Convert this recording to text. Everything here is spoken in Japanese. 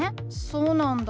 そうなんだ。